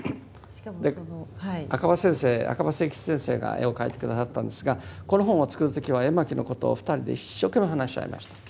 赤羽先生赤羽末吉先生が絵を描いて下さったんですがこの本を作る時は絵巻のことを２人で一生懸命話し合いました。